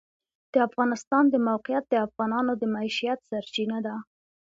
د افغانستان د موقعیت د افغانانو د معیشت سرچینه ده.